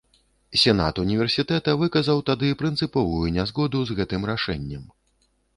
Сенат універсітэта выказаў тады прынцыповую нязгоду з гэтым рашэннем.